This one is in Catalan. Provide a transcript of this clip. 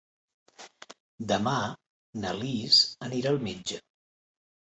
Demà na Lis anirà al metge.